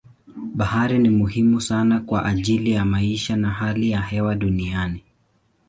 Bahari ni muhimu sana kwa ajili ya maisha na hali ya hewa duniani.